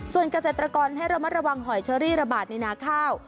ส่วนเกษตรกรให้ระมัดระวังหอยเชอรี่ระบาดในนาข้าว